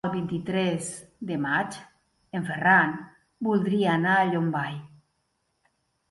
El vint-i-tres de maig en Ferran voldria anar a Llombai.